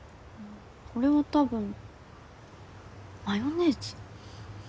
これはたぶんマヨネーズ？